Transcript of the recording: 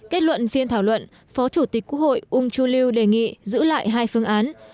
kết luận phiên thảo luận phó chủ tịch quốc hội uông chu lưu đề nghị giữ lại hai phương án